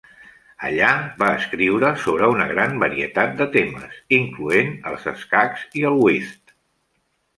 Allà va escriure sobre una gran varietat de temes, incloent els escacs i el whist.